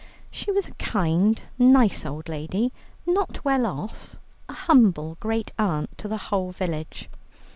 She was a kind, nice old lady, not well off, a humble great aunt to the whole village.